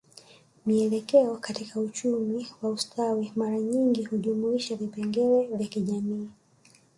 Mielekeo katika uchumi wa ustawi mara nyingi hujumuisha vipengele vya kijamii